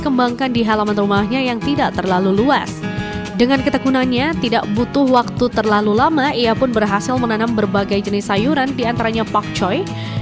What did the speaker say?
menanam berbagai jenis sayuran di antaranya pakcoy